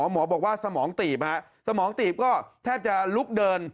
หมอบอกว่าสมองตีบสมองตีบก็แทบจะลุกเดิน